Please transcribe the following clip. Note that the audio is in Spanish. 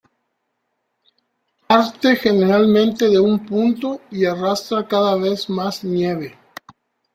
Parte generalmente de un punto y arrastra cada vez más nieve.